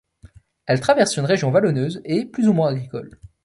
Elle traverse une région valloneuse, et plus ou moins agricole.